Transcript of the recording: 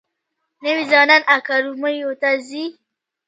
نوي ځوانان اکاډمیو ته ځي.